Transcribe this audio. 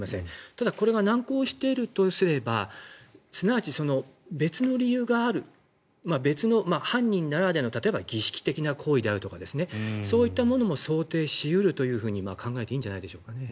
ただこれが難航しているとすればすなわち別の理由がある別の、例えば犯人ならではの儀式的な行為であるとかそういったものも想定し得ると考えていいんじゃないでしょうか。